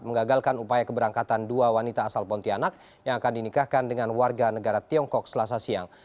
mengagalkan upaya keberangkatan dua wanita asal pontianak yang akan dinikahkan dengan warga negara tiongkok selasa siang